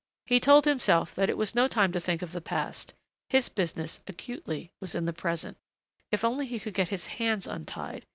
He told himself that it was no time to think of the past. His business acutely was the present. If only he could get his hands untied!